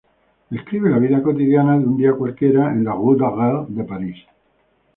Describe la vida cotidiana de un día cualquiera en la Rue Daguerre de París